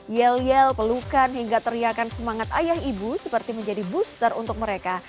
yel yel pelukan hingga teriakan semangat ayah ibu seperti menjadi booster untuk mereka